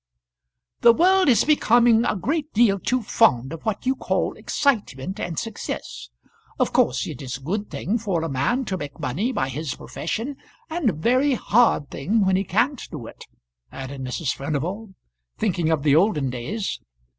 "The world is becoming a great deal too fond of what you call excitement and success. Of course it is a good thing for a man to make money by his profession, and a very hard thing when he can't do it," added Mrs. Furnival, thinking of the olden days.